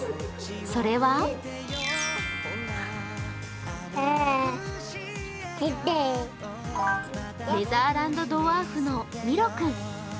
それはネザーランドドワーフのミロ君。